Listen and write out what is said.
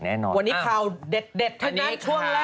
วันนี้ข่าวเด็ดถ้านัดช่วงแรก